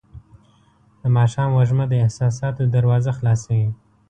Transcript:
د ماښام وږمه د احساساتو دروازه خلاصوي.